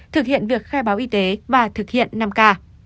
thực hiện việc khai báo y tế và thực hiện năm k